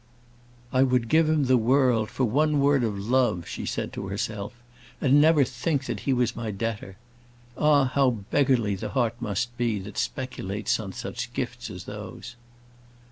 "I would give him the world for one word of love," she said to herself, "and never think that he was my debtor. Ah! how beggarly the heart must be that speculates on such gifts as those!"